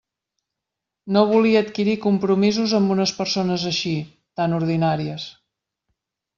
No volia adquirir compromisos amb unes persones així..., tan ordinàries.